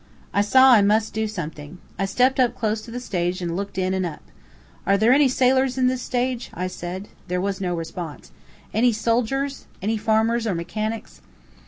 I saw I must do something. I stepped up close to the stage and looked in and up. "Are there any sailors in this stage?" I said. There was no response. "Any soldiers? Any farmers or mechanics?"